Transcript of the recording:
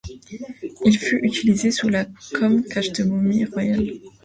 Il fut utilisé sous la comme cache de momies royales.